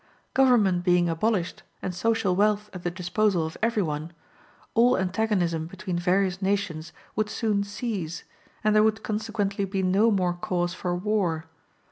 Government being abolished, and social wealth at the disposal of every one, all antagonism between various nations would soon cease; and there would consequently be no more cause for war.